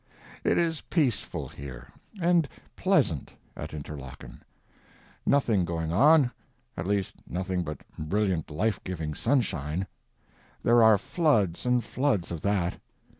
It is peaceful here and pleasant at Interlaken. Nothing going on—at least nothing but brilliant life giving sunshine. There are floods and floods of that.